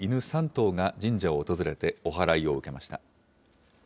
３頭が神社を訪れて、おはらいを受けました。